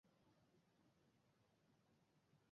"Private আই"-এ নিয়মিতভাবে তার নাম উল্লেখ করা হয়।